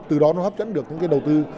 từ đó nó hấp dẫn được những cái đầu tư